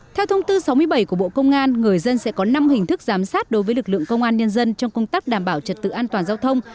theo thông tư sáu mươi bảy của bộ công an người dân sẽ có năm hình thức giám sát đối với lực lượng công an nhân dân trong công tác đảm bảo trật tự an toàn giao thông